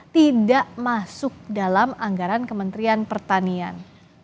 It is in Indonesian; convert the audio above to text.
tidak masuk dalam anggaran kementerian pertanian